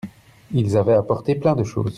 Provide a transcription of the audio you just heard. Ils avaient apporté plein de choses.